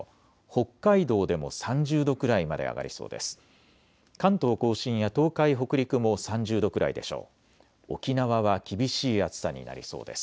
北海道でも３０度くらいまで上がりそうです。